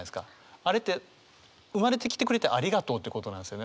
あれって生まれてきてくれてありがとうってことなんですよね。